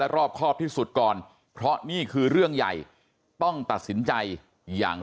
รอบครอบที่สุดก่อนเพราะนี่คือเรื่องใหญ่ต้องตัดสินใจอย่าง